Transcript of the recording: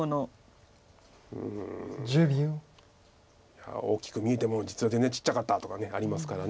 いや大きく見えても実は全然ちっちゃかったとかありますから。